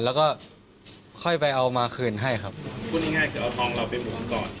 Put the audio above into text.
แล้วก็ค่อยไปเอามาคืนให้ครับพูดง่ายเดี๋ยวเอาทองเราไปบูมก่อน